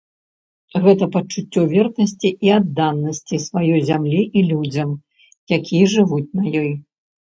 Гэта пачуццё вернасці і адданасці сваёй зямлі і людзям, якія жывуць на ёй.